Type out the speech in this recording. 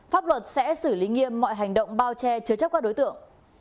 pháp luật sẽ xử lý nghiêm mọi hành động bao che chứa chấp các đối tượng